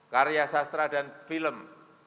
karya sastra dan film